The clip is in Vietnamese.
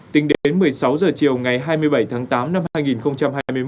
tính đến một mươi sáu h chiều ngày hai mươi bảy tháng tám năm hai nghìn hai mươi một